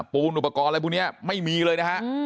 ปูนอุปกรณ์อะไรพวกนี้ไม่มีเลยนะฮะ